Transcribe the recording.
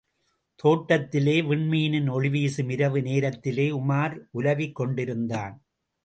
தோட்டத்திலே, விண்மீனின் ஒளிவீசும் இரவு நேரத்திலே, உமார் உலவிக் கொண்டிருந்தான்.